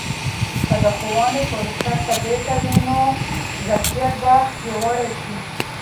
که د ښوونې پروسه ثابته وي، نو ظرفیت به پیاوړی سي.